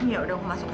yaudah aku masuk ya